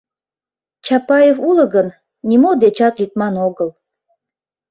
Чапаев уло гын, нимо дечат лӱдман огыл...